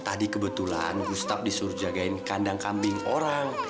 tadi kebetulan gustaf disuruh jagain kandang kambing orang